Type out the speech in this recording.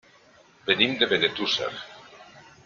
Venim de Benetússer.